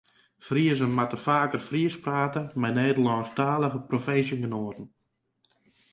Friezen moatte faker Frysk prate mei Nederlânsktalige provinsjegenoaten.